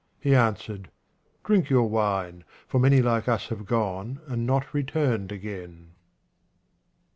He answered, u Drink your wine, for many like us have gone, and not returned again."